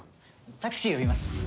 タクシー呼びます。